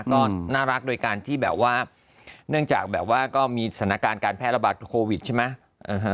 ก็น่ารักโดยการที่แบบว่าเนื่องจากแบบว่าก็มีสถานการณ์การแพร่ระบาดโควิดใช่ไหม